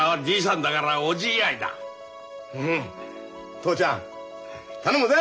父ちゃん頼むぜ！